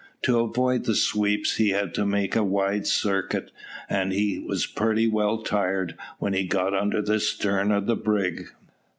To avoid the sweeps, he had to make a wide circuit, and he was pretty well tired when he got under the stern of the brig.